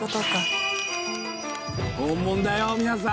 本物だよ皆さん！